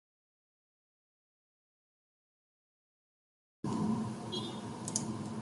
Su primer sencillo fue "Fall for you".